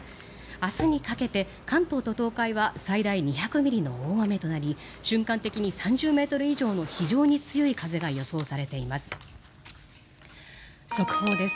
明日にかけて関東と東海は最大２００ミリの大雨となり瞬間的に３０ｍ以上の非常に強い風が予想されています。